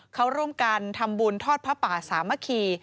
เขาร่วมกันทำบุญทอดพระป่าสามัคคี